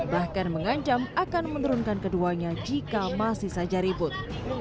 bahkan mengancam akan menurunkan keduanya jika masih saja ribut